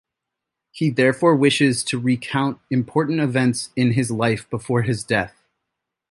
He therefore wishes to recount important events in his life before his death.